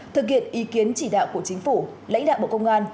thực hiện ý kiến chỉ đạo của chính phủ lãnh đạo bộ công an